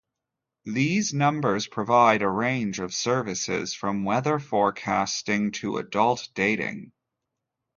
These numbers provide a range of services from weather forecasting to adult dating.